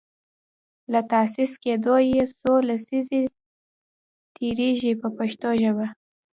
له تاسیس کیدو یې څو لسیزې تیریږي په پښتو ژبه.